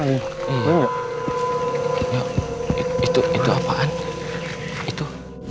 itu itu apaan itu